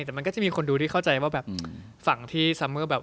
แต่มันก็จะมีคนดูที่เข้าใจว่าแบบฝั่งที่ซัมเมอร์แบบ